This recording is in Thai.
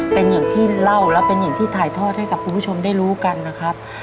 เป็นอย่างที่เล่าและเป็นอย่างที่ถ่ายทอดให้กับคุณผู้ชมได้รู้กันนะครับ